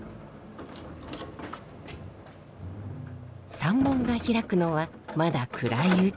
山門が開くのはまだ暗いうち。